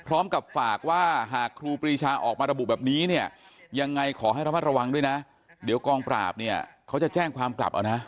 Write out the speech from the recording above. พร้อมกับฝากว่าหากครูปรีชาออกมาระบุแบบนี้เนี่ยยังไงขอให้ระมัดระวังด้วยนะเดี๋ยวกองปราบเนี่ยเขาจะแจ้งความกลับเอานะ